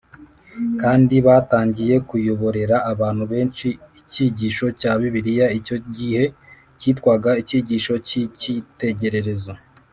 kandi batangiye kuyoborera abantu benshi icyigisho cya Bibiliya icyo gihe cyitwaga icyigisho cy icyitegererezo